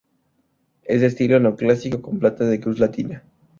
Es de estilo neoclásico con planta de cruz latina.